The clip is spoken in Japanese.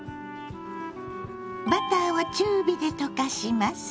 バターを中火で溶かします。